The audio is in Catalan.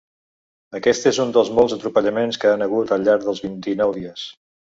Aquest és un dels molts atropellaments que han hagut al llarg dels vint-i-nou dies.